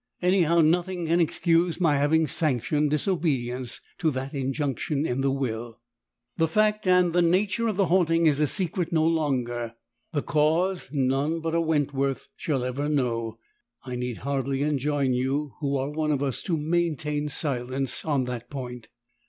Anyhow nothing can excuse my having sanctioned disobedience to that injunction in the will. "The fact and the nature of the haunting is a secret no longer the cause none but a Wentworth shall ever know. "I need hardly enjoin you who are one of us to maintain silence on that point.